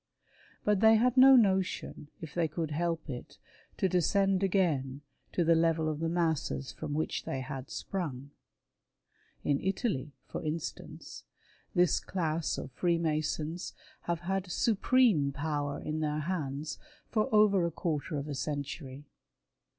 But they had ^no notion, if they could help it, to descend again to the level of the masses from which they had sprung. In Italy, for instance, this class of Freemasons have had supreme power in their hands for over a quarter of a century.